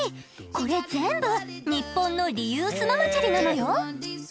これ全部ニッポンのリユースママチャリなのよ。